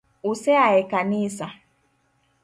Use a e kanisa